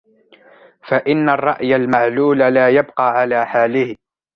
فَإِنَّ الرَّأْيَ الْمَعْلُولَ لَا يَبْقَى عَلَى حَالِهِ